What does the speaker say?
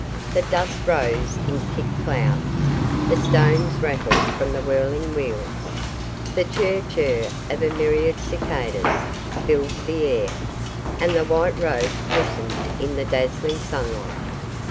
The dust rose in thick clouds, the stones rattled from the whirling wheels, the chirr! chirr! of a myriad cicadas filled the air, and the white road glistened in the dazzling sunlight.